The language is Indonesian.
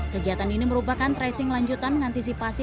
kegiatan ini merupakan tracing lanjutan mengantisipasi